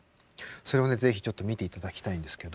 それをね是非ちょっと見ていただきたいんですけど。